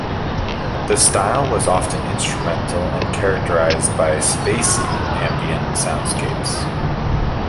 The style was often instrumental and characterized by "spacy," ambient soundscapes.